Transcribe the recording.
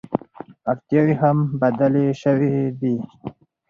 اړتیاوې هم بدلې شوې دي.